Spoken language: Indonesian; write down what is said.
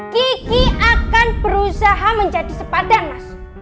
kiki akan berusaha menjadi sepadan mas